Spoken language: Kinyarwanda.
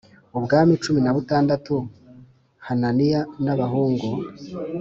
Ubwa cumi na butandatu hananiya n abahungu